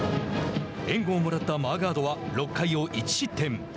援護をもらったマーガードは６回を１失点。